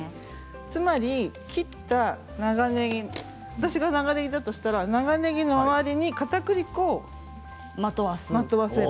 つまり切った長ねぎ私が長ねぎだったら長ねぎの周りにかたくり粉をまとわす。